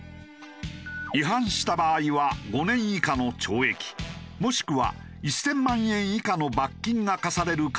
違反した場合は５年以下の懲役もしくは１０００万円以下の罰金が科される可能性もある。